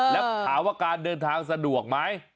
แล้วถามว่าการเดินทางสะดวกไหม